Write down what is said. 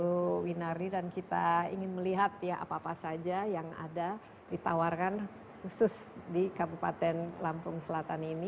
bu winardi dan kita ingin melihat ya apa apa saja yang ada ditawarkan khusus di kabupaten lampung selatan ini